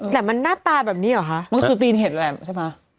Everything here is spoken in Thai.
แต่มันหน้าตาแบบนี้เหรอคะมันคือตีนเห็ดแหละใช่ไหม